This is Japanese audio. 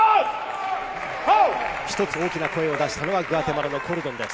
一つ大きな声を出したのは、グアテマラのコルドンです。